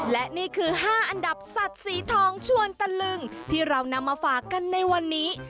และนี่คือ๕อันดับสัตว์สีทองชวนตะลึงที่เรานำมาฝากกันในวันนี้